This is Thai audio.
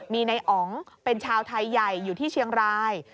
มีนายอ๋องเป็นชาวไทยใหญ่อยู่ที่เชียงราย